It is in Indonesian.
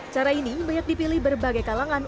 cara ini banyak dipilih berbagai kalangan